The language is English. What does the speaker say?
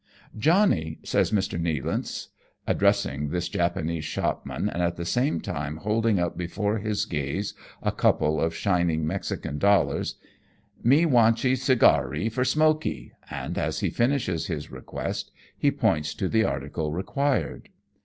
" Johnnie," says Nealance, addressing this Japanese shopman, and at the same time holding up before his gaze a couple of shining Mexican dollars, " me wantchee cigaree for smokee," and as he finishes his request, he points to the article required.